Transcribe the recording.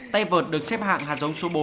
tay vợt được xếp hạng hạt giống số bốn